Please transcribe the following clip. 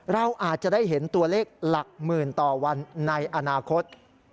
เราอาจจะได้เห็นตัวเลขหลักหมื่นต่อวันในอนาคต